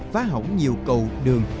phá hỏng nhiều cầu đường